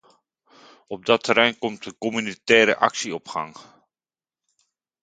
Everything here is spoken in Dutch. Op dat terrein komt een communautaire actie op gang.